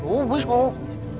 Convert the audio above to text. oh bagus pak